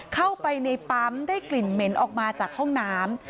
เข้าไปในปั๊มได้กลิ่นเหม็นออกมาจากห้องน้ำ